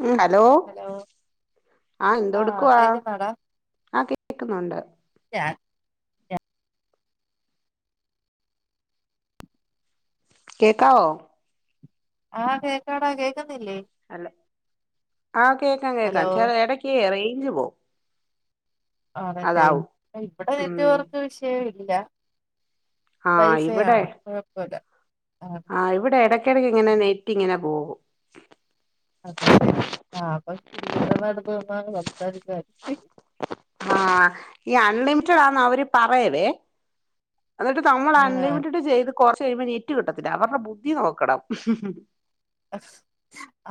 മം hello ആ ആഹ് എന്തൊടുക്കുവാ കേക്കുന്നാടാ ആ കേക്കുന്നുണ്ട് ഞാൻ കേക്കാവോ ആ കേക്കാട കേക് അല്ല ആ കേക്കാം ഹലോ കേക്കാം ചില ഇടക്കെ റേഞ്ച് പോവും ആണല്ലേ അതാവും ഇവിടെ ഉം നെറ്റ്‌വർക്ക് വിഷയവില്ല ഇല്ല വൈ ആഹ് ഫൈ ഇവിടെ ആണോ കുഴപ്പമില്ല ആഹ് ഇവിടെ ഇടക്ക് ഇടക്ക ഇടക്ക് ഇങ്ങനെ നെറ്റ് ഇങ്ങനെ പോകും അത് ശെരി ആ പ്പൊ കിട്ടുന്ന പോ സംസാരിക്കാ ആഹ ഈ അൺലിമിറ്റഡാന്ന അവര് പറയൽ എന്നിട്ട് നമ്മൾ ആഹ് അൺലിമിറ്റഡ് ചെയ്ത് കൊറച്ച് കഴിയുമ്പോ നെറ്റ് കിട്ടത്തില്ല അവരുടെ ബുദ്ധി നോക്കണം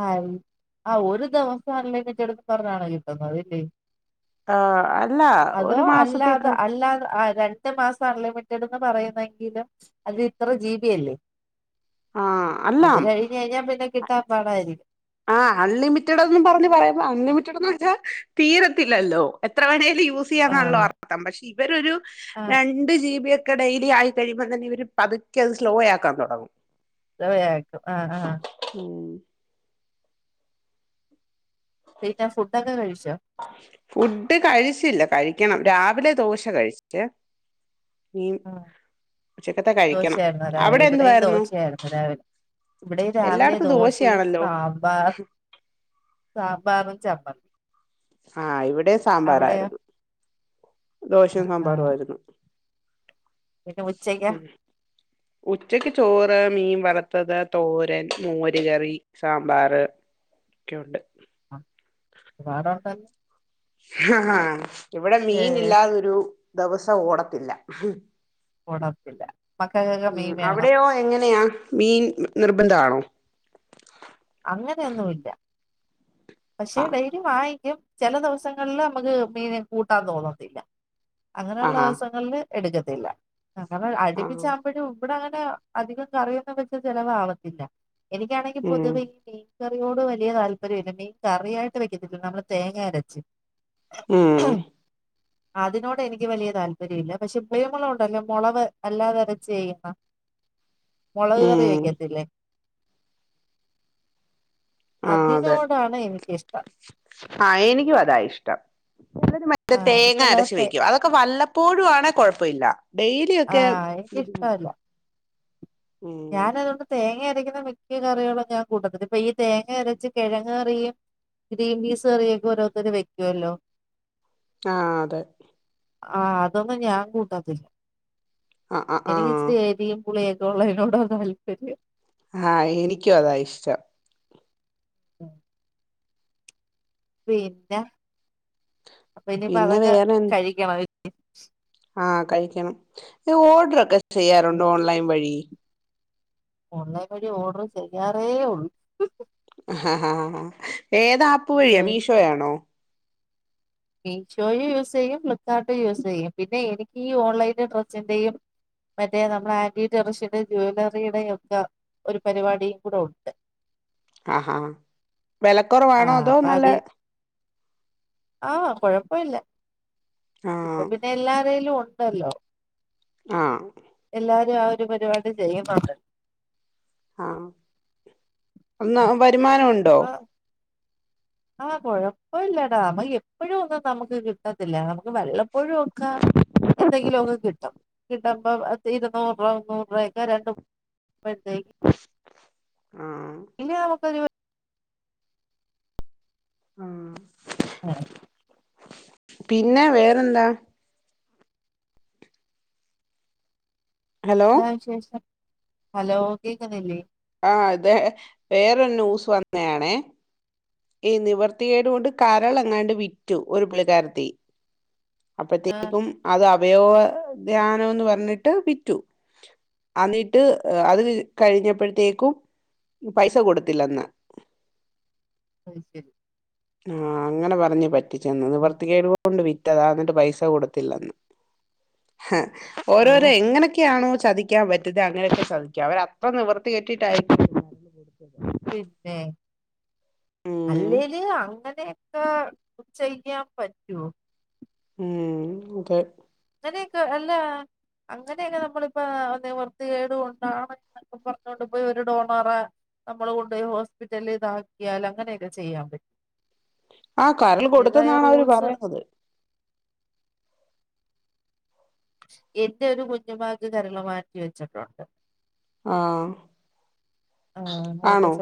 ആ ആ ഒരു ദിവസല്ലെങ്കിച്ചെടുത്ത് പറഞ്ഞാണ കിട്ടന്ന അതില്ലേ ആഹ് അല്ല ഒരു അതോ മാസത്തേക്ക് അല്ലാതെ അല്ലാതെ രണ്ട് മാസം അൺലിമിറ്റഡ് ന്ന് പറയുന്നെങ്കിലും അത് ഇത്ര ജീബി അല്ലേ ആഹ അത് അല്ലാം കഴിഞ്ഞ് കഴിഞ്ഞാ പിന്നെ കിട്ടാൻ പാടായിരിക്കും ആ അൺലിമിറ്റഡ് ഒന്നും പറഞ്ഞഞ് പറയാ അൺലിമിറ്റഡ് എന്ന് വെച്ചാൽ തീരത്തില്ലല്ലോ എത്ര വേണേലും യൂസ് യൂസ് ചെയ്യാണല്ലോ ആഹ് അർത്ഥം പക്ഷേ ഇപ്പെ ഇവർ ഒരു ആഹ് രണ്ട് ജീ ബിയ ഡെലി ആയി കഴിയുമ്പോ തന്നെ അവര് പതുക്കെ അത് സ്ലോ ആക്കാൻ തുടങ്ങും സയാക്കും ആഹ് ആഹ ഉം പിന്നെ ഫുഡ് കഴിച്ചോ ഫുഡ് കഴിച്ചില്ല കഴിക്കണം കഴിക്കണം രാവിലെ ദോശ കഴിച്ചോ ആ ദോശയായിരുന്നു രാവിലെ അവിടെ ഇവിടെയും എന്തുവായിരുന്നു ദോശയായിരുന്നു രാവിലെ ഇവിടെയും രാവിലെ എല്ലായിടത്തും ദോശയും ദോശയാണല്ലോ സാമ്പാർ സാമ്പാറും അപ്പം ആഹ് ഇവിടെ സാമ്പാറായിരുന്നു ദോശം സാമ്പാറും ആഹ് ആയിരുന്നു പിന്നെ ഉച്ചക്കാ ഉ ഉച്ചക്ക് ചോറ് മീൻ വർത്തത് തോരൻ മോര് കറി സാമ്പാർ ഒക്കെ ഉണ്ട് ആ വേറെണ്ടല്ലേ ആഹ ആഹ ഇവിടെ മീൻ ഇല്ലാതൊരു ദിവസം ഓടത്തില്ല കൊടപ്പില്ല ഉം അവിടെയോ എങ്ങനെയാ മീൻ നിർബന്ധ ആണോ പക്ഷേ ആ ഡെയിലി വാങ്ങിക്കും ചില ദിവസങ്ങളില് നമുക്ക് മീൻ കൂട്ടാൻ തോന്നത്തില്ല അങ്ങനെയുള്ള ആഹാ ദിവസങ്ങളില് എടുക്കത്തില്ല ആ കാരണം ആ അടുപ്പിച്ചാവുമ്പഴും ഇവിടെ അങ്ങനെ അധികം കറിയുന്ന വെച്ചാ ചെലവാവത്തില്ല എനിക്കാണെങ്കി ഉം പൊതുവേ കറിയോട് വലിയ താല്പര്യം ഇല്ല മീൻ കറിയായിട്ട് വെക്കത്തില്ലേ നമ്മള് തേങ്ങ അരച്ച് ഉം അതിനോട് എനിക്ക് വലിയ താല്പര്യം ഇല്ല പക്ഷെ കുരുമുളക് ഉണ്ടല്ലോ മുള വ് അല്ലാതെ അരച്ച് ചെയ്യും ആ മുളക് കറി ഉം വെക്കത്തില്ലേ ആ അതെ അതിനോടാണ് എനിക്കിഷ്ടം ആ എനിക്കും അതാ ഇഷ്ടം നല്ലൊരു ആഹ് മററതേങ്ങ എനിക്കല്ലാതെ അരച്ചു തേ വെയ്ക്കും അതൊക്കെ വല്ലപ്പോഴും ആണേ കൊഴപ്പൊ ഇല്ല ഡെയിലി ഒക്കെ ആഹ് ബുദ്ധിമുട്ടാ ഉം ഞാൻ അതുകൊണ്ട് തേങ്ങ അര വെയ്ക്കുന്ന മിക്ക കറികളും ഞാൻ കൂട്ടത്ത്ക്ക് ഇപ്പ ഈ തേങ്ങ അരച്ച കെഴങ്ങ്കറിയും ഗ്രീൻ പീസ് കറിയും ഒക്കെ ഓരോരുത്തര് വെയ്ക്കോല്ലോ ആ അതെ ആ അതൊന്നും ഞാൻ കൂട്ടത്തിൽ ആ ആ ആ എനിക്ക് ഇച്ചിരി എരിയും പുളിയും തൊളേം നോടാ താല്പര്യം ആ എനിക്കു അതാ ഇഷ്ടം ഉ പിന്ന അപ്പൊ ഇനിപ്പോ പിന്നെ അതൊക്കെ വേറെ എന്ത്- കഴിക്കണം ആ കഴിക്കണം ഈ ഓർഡറൊക്കെ ചെയ്യാറുണ്ട് ഓൺലൈൻ വഴി ഓൺലൈൻ വഴി ഓർഡർ ചെയ്യാറേ ഒള്ളൂ ആ ഹാ ഹാ ഹാ ഏതാ ആപ് പ്പു വഴിയാ മീഷോയാണോ മീഷോയും യൂസ് ചെയ്യും ഫ്ലിപ്കാർട്ട് യൂസ് ചെയ്യും പിന്നെ എനിക്ക് ഈ ഓൺലൈന്റ ഡ്രസ്സിന്റെയും മറ്റേ നമ്മുടെ ആന്റി ടെറിഷിന്റെ ജുവലറിയുടെയും ഒക്കെ ഒരു പരിപാടിയും കൂടെ ഒണ്ട് ആഹാ വെലക്കുറവാണോ ആഹ് അതോ അപ്പൊ നല്ല ആ കൊഴപ്പോ ഇല്ല ഇപ്പൊ ആഹ് പിന്നെ എല്ലാരേലും ഒ അല്ലോ ആ എല്ലാരും ആ ഒരു പരിപാടി ചെയ്യുന്നൊണ്ട് ആ എന്നന്ന് വരുമാനംണ്ടോ അപ്പൊ ആഹ് കൊഴപ്പമില്ലടാ നമക്ക് എപ്പോഴും ഒന്നും നമുക്ക് കിട്ടത്തില്ല നമുക്ക് വെള്ളം ഒഴുവൊക്കെ എന്തെങ്കിലുമൊക്കെ കിട്ടും കിട്ടുമ്പ ഇരുന്നൂറ് രൂപ മുന്നൂറ് രൂപ ഒക്കെ രണ്ട് ആഹ് പിന്നെ നമുക്ക് ആഹ് ഉം പിന്നെ വേറെന്താ ഹലോ ന്താ വിശേഷം ഹലോ കേക്കനില്ലേ ആ ഇതെ വേറെരു ന്യൂസ് വന്നയാണേ ഈ നിവർത്തികേടുകൊണ്ട് കരൾ എങ്ങാണ്ട് വിറ്റു ഒരു പിളിക്കാരത്തി ആഹ് അപ്പഴത്തേക്കും അത് അവയവ ധ്യാനംന്ന് പറഞ്ഞിട്ട് വിറ്റു അിന്നിട്ട് അത് കഴിഞ്ഞപ്പോഴത്തേക്കും പൈസ കൊടുത്തില്ലന്ന് അത് ശരി ആഹ് അങ്ങനെ പറ ധന്യാായി റ്റ ചെന്നത് ആ, നിവർത്തിക്കേടോണ്ട് ഇതാന്നിട്ട് പൈസ കൊടുത്തില്ലന്ന് ഓ ഓരോരോ എങ്ങനൊക്കെയാണോ ചതിക്കാൻ പറ്റത് അങ്ങനെയൊക്കെ ചതിക്കുക അവര അത്ര നിവർത്തി കെട്ടിട്ടായിരിക്കും പിന്നെ ഉം അല്ലേല് അങ്ങനെയൊക്കെ ചെയ്യാൻ പറ്റുവ ഉം അക്കെ അങ്ങനെയൊക്കെ അല്ല അങ്ങനെയൊക്കെ നമ്മളിപ്പ ഒ വൃത്തി കേട് കൊണ്ടാണ്ക്കെ പറഞ്ഞൊണ്ട് പോയി ഒരു ഡോണറെ നമ്മള് കൊണ്ട്യ ഹോസ്പിറ്റല് ഇതാക്കിയാൽ അങ്ങനെയൊക്കെ ചെയ്യാൻ പറ്റും ആ കരൾ കൊടുത്തന്നാണ് അവര് പറയുന്നത് എൻ്റെ ഒരു കുഞ്ഞുമാക്ക് കരള് മാറ്റി വെച്ചിട്ടുണ്ട് ആഹ് ആണോ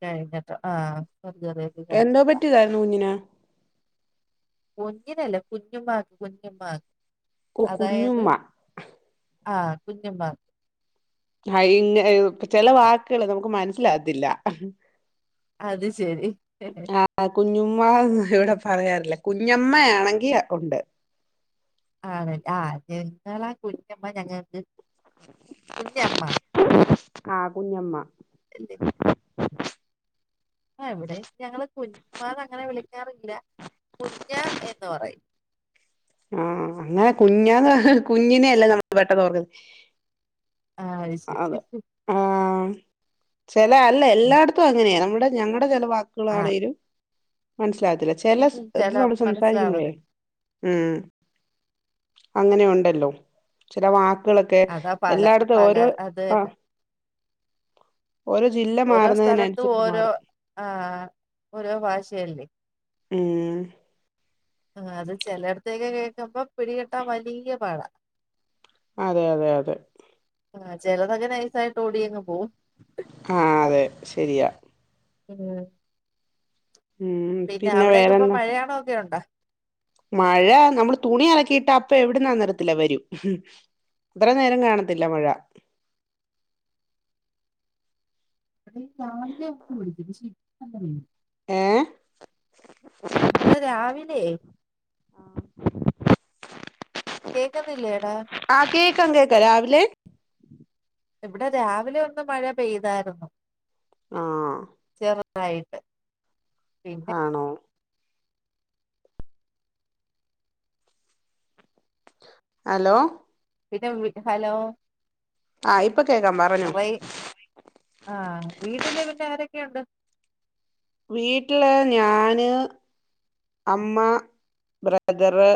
കഴിഞ്ഞല്ലോ ആഹ് സർജറിയൊക്കെ എന്തോ കഴിഞ്ഞിട്ടാ പറ്റിയതായിരുന്നു കുഞ്ഞിന് കുഞ്ഞിനല്ല കുഞ്ഞുംമാക്ക് കുഞ്ഞുംമാക്ക് കൊ കുഞ്ഞുമ്മ ആഹ് കുഞ്ഞു മാ ആ ഇങ്ങ ചില വാക്കുകൾ നമുക്ക് മനസ ഇല്ല അതില്ല അത് ശരി ആഹ് കുഞ്ഞു. ആഹ് ഇവിടെ പറയാറില്ല കുഞ്ഞമ്മയാണെങ്കി ഉണ്ട് അതെ ആഹ് നിങ്ങളുടെ കുഞ്ഞമ്മ ഞങ്ങൾക്ക് കുഞ്ഞമ്മ ആഹ് കുഞ്ഞമ്മ എന്ത് ആഹ് ഇവിടെ ഞങ്ങള് കുഞ്ഞമ്മാന്ന് അങ്ങനെ വിളിക്കാറില്ല കുഞ്ഞ എന്ന് പറയും ആഹ് ആഹ് അങ്ങനെ കുഞ്ഞാന്ന് കുഞ്ഞിനെയല്ലേ നമ്മൾ പെട്ടെന്ന് ഓർക്കുന്നത് ആഹ് അത് ശരി അതെ ആഹ് ചില അല്ല എല്ലായിടത്തും അങ്ങനെയാ ഇവിടെ ഞങ്ങ ചില ആഹ് വാക്കുകളാണേലും മനസ് സിലാവത്തില്ല ചില ഉം ചില ഇതില് നമ്മള് സംസാരിക്കുമ്പോഴേ മനസ്സിലാവാതെ ഉം അങ്ങനെയുണ്ടല്ലോ ചില വാക്ക് വാക്കുകളൊക്കെ അതാ പല എല്ലായിടത്തും പല ഓരോ അത് തന്നെ ആഹ് ഓരോ ജില്ല ഓരോ സ്ഥലത്തും മാറുന്നതിനനുസരിച്ച് ഓരോ മാറും ആഹ് ഓരോ ഭാഷയല്ലേ മ് ഹ് ആഹ് അത് ചിലയിടത്തേയൊക്കെ കേൾക്കുമ്പോൾ പിടികിട്ടാൻ വലിയ പാടാ അതെ അതെ അതെ ആഹ് ചിലതൊക്കെ നൈസായിട്ട് ഓടിയങ്ങ് പോവും ആഹ് അതെ ശരിയാ ഉം ഉം പിന്നെ അവിടൊക്കെ ഇപ്പം വേറെന്താ മഴയാണോ ഒക്കെ ഉണ്ടോ മഴ നമ്മള് തുണി അലക്കിയിട്ട് അപ്പൊ എവിടുന്നാന്നറിയത്തില്ല വരും അത്രേം നേരം കാണത്തില്ല മഴ അവ രാവിലെ ഒന്ന് [unintelligible] പക്ഷെ ഇപ്പം ഏഹ് ഇവിടെ രാവിലയേ കേൾക്കുന്നില്ലേ ആഹ് കേൾക്കാം കേൾക്കാം രാവിലേ ഇവിടെ രാവിലെ ഒന്ന് മഴ പെയ്തായിരുന്നു ആഹ് തായിട്ട് ആണോ ഹലോ പിന്നെ ഹലോ ആഹ് ഇപ്പൊ കേക്കാം പറഞ്ഞോ റയ് ആഹ് വീട്ടിലാണ് ആരൊക്കെയുണ്ട് വീട്ടില് ഞാന് അമ്മ ബ്രദറ്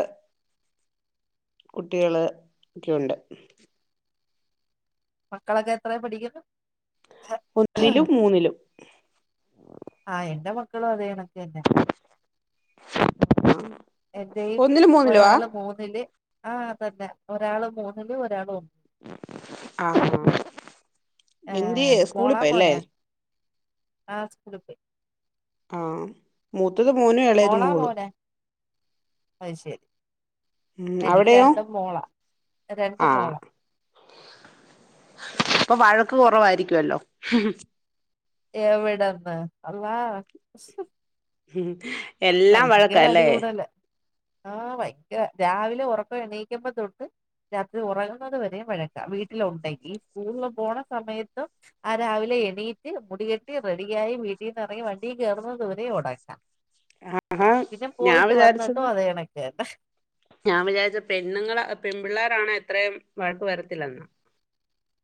കുട്ടികള് ഒക്കെണ്ട് മക്കളൊക്കെ എത്രേ പഠിക്കുന്നു ഒന്നിലും മൂന്നിലും ആഹ് എന്റെ മക്കളും അതേകണക്കന്നെ ആഹ് എന്റെയും ഒന്നിലും മൂന്നിലുവാ ഒരാള് മൂന്നില് ആ അതന്നെ ഒരാള് മൂന്നില് ഒരാള് ഒന്ന് ആ എന്ത്യേ സ്കൂളി പോയല്ലേ ആ സ്കൂളി പോയ്‌ ആ മൂത് മോളാ മോനെ അത് ശരി ഉം എനിക്ക് അവിടെയോ രണ്ടും മോളാ രണ്ടും ആഹ് മോളാ അപ്പൊ വഴക്ക് കുറവായിരിക്കുവല്ലോ എവിടന്ന് അള്ളാ എല്ലാം വഴക്കാല്ലേ ആ ഭയങ്കരാ രാവിലെ ഉറക്കം എണീക്കുമ്പോ തൊട്ട് രാത്രി ഒറങ്ങുന്നത് വരെയും വഴക്കാ വീട്ടില് ഒണ്ടെങ്കി സ്കൂളില് പോണ സമയത്തും ആ രാവിലെ എണീറ്റ് മുടികെട്ടി റെഡിയായി വീട്ടിന്ന് ഇറങ്ങി വണ്ടി കേറുന്നതു വരെയും ഉടക്കാ ആഹാ ഞാൻ വിചാരിച്ചത് അതേ കണക്ക് തന്നെ ഞാൻ വിചാരിച്ച് പെണ്ണുങ്ങളാ പെപിള്ളേരാണ് ഏ അത്രയും വഴക്ക് വരത്തില്ലന്നാ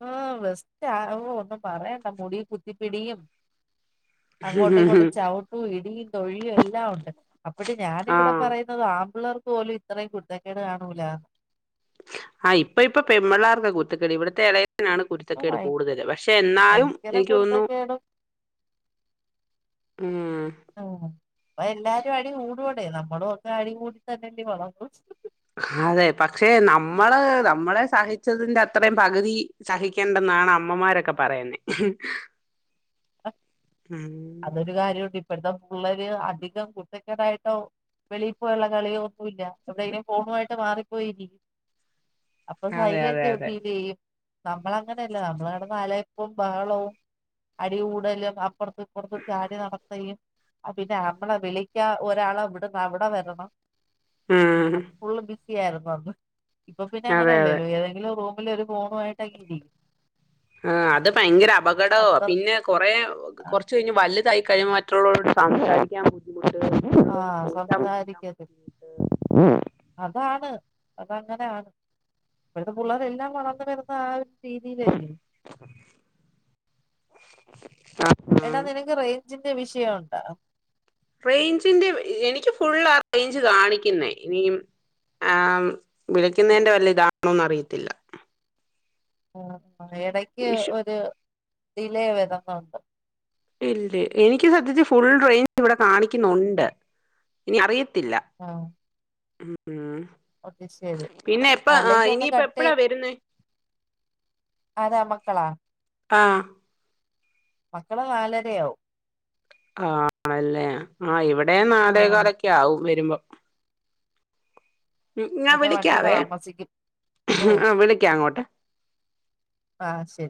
ആ ബെസ്റ്റാ ഓ ഒന്നും പറയണ്ട മുടിയിൽ കുത്തിപിടിയും അങ്ങോട്ടും ഇങ്ങോട്ടും ചവിട്ടും ഇടിയും തൊഴിയും എല്ലാം ഒണ്ട് അപ്പഴും ഞാനിവിടെ ആഹ് പറയുന്നത് ആപിള്ളേർ പോലും ഇത്രയും കുരുത്തക്കേട് കാണൂലാന്ന് ആഹ് ഇപ്പൊ ഇപ്പൊ പെമ്പിള്ളേർക്കാ കുരുത്തക്കേട് ഇവിടുത്തെ ഇളേ തിനാണ് ഓ കുരുത്തക്കേട് ഭയ കൂടുതല് പക്ഷെ എന്നാലും ഭയങ്കര എനിക്ക് തോന്നുന്നു കുരുത്തക്കേടും ഉം ഇപ്പൊ എല്ലാരും അടി കൂടുവെടെ നമ്മളും ഒക്കെ അടി കൂടിത്തന്നല്ലേ വളർന്നത് അതെ പക്ഷെ നമ്മള് നമ്മളെ സഹിച്ചതിന്റെ അത്രയും പകുതി സഹിക്കണ്ടെന്നാണ് അമ്മമാരൊക്കെ പറയുന്നെ അ അതൊരു കാര്യം ഉണ്ട് ഇപ്പൊ ഇപ്പഴത്തെ പുള്ളേര് അധികം കുരുത്തകേടായിട്ടോ വെളിയിൽ പോയുള്ള കളിയോ ഒന്നുമില്ല എവിടെങ്കിലും ഫോണുമായിട്ട് മാറിപ്പോയിരി അപ്പം അതെ അതെ സൈലന്റ് അതെ ഫീല് യും നമ്മള് അങ്ങനല്ല നമ്മള് കെടന്ന് അലായ് പ്പും ബഹളവും അടി കൂടലും അപ്പുറത്ത് ഇപ്പുറത്ത് ചാടി നടത്തയും പിന്നെ മ്മളെ വിളിക്കാ ഒരാള് ഇവിടന്ന് അവിടെ വരണം ഉം അപ്പൊ ഫുള്ളും ബിസി ആരുന്നു ഇപ്പൊ പിന്നെ അതെ അതെ അങ്ങനല്ലല്ലോ ഏതെങ്കിലും റൂം മില് ഒരു ഫോണുമായിട്ടൊക്കെ ഇരിക്കും. ആ അത് ഭയങ്കര അപകടവാ അത്ര പിന്നെ കൊറേ കൊറച്ച് കഴിഞ്ഞ് വാ ലുതായിക്കഴിഞ്ഞ മറ്റുള്ളവരോട് സംസാരിക്കാൻ [inaudible] ബുദ്ധിമുട്ട്. മറ്റുള്ളവര് ആഹ ചോദിക്കാൻ ബുദ്ധിമുട്ട് സംസാരിക്കത്, അതാണ് അതങ്ങനെയാണ്. ഇപ്പോഴത്തെ പിള്ളേരെ എല്ലാം വളർന്നു വരുന്ന ആ സിബി നജിം [unintelligible] എടാ ആഹ് നിനക്ക് റെ ഞ്ചിന്റെ വിഷയുണ്ടോ? റേഞ്ചിന്റെ എ എനിക്ക് ഫുൾ ആ റേഞ്ച് കാണിക്കുന്നേ, ഇനിയും ആ വിളിക്കുന്നതിന്റെ വല്ല ഇതാണോന്ന് അറിയത്തില്ല. ആഹ ആ ഇടക്ക് ഇഷു ഒരു റിലേ വരുന്നുണ്ട്. ഇല്ല എനിക്ക് സദ്യത്തി ഫുൾ റേഞ്ച് ഇവിടെ കാണിക്കുന്നുണ്ട് ഇനി അറിയ ത്തില്ല. ആ ഒന്നിച്ചത് അല്ലേങ്കിൽ ഒന്ന് ഇനിയിപ്പ കട്ട് ചെ എപ്പഴാ വരുന്നേ ആരാമക്കളാ ആ മക്കള നാലരയാവും. ആണല്ലേ ആ ഇവിടെ വിടെേ ആഹ് നാളേകാലൊക്കെ ആകും വരുമ്പോ ഉ ഞാൻ അതെ വണ്ടി വിളിക്കാവേ താമസിക്കും ഓ ആ വിളിക്കാം അങ്ങോട്ട്. ആഹ് ശരി